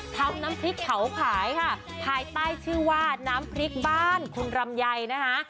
ทำน้ำพริกเผาขายค่ะภายใต้ชื่อว่าน้ำพริกบ้านคุณรำไยนะคะ